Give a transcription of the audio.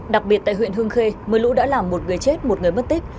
đặc biệt tại huyện hương khê mưa lũ đã làm một người chết một người mất tích